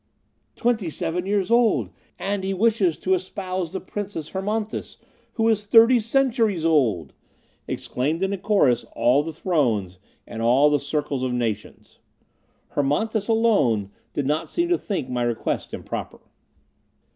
"Twenty seven years old! And he wishes to espouse the Princess Hermonthis, who is thirty centuries old!" exclaimed in a chorus all the thrones, and all the circles of nations. Hermonthis alone did not seem to think my request improper.